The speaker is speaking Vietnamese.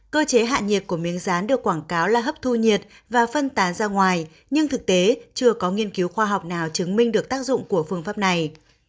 cơ chế hạ nhiệt của miếng rán được quảng cáo là hấp thu nhiệt và phân tán ra ngoài nhưng thực tế chưa có nghiên cứu khoa học nào chứng minh được tác dụng của phương pháp này